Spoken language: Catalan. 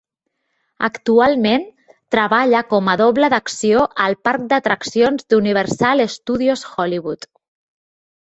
Actualment, treballa com a doble d'acció al parc d'atraccions d'Universal Studios Hollywood.